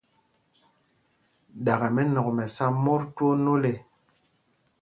Ɗakɛ mɛnɔ̂k mɛ sá mot twóó nôl ê.